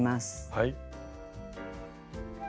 はい。